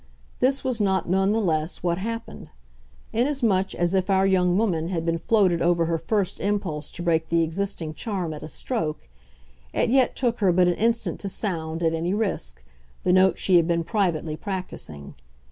This was not, none the less, what happened; inasmuch as if our young woman had been floated over her first impulse to break the existing charm at a stroke, it yet took her but an instant to sound, at any risk, the note she had been privately practising.